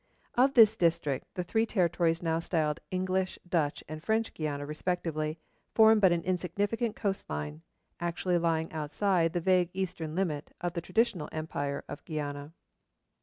Of this district the three territories now styled English, Dutch, and French Guiana respectively form but an insignificant coast line, actually lying outside the vague eastern limit of the traditional empire of Guiana.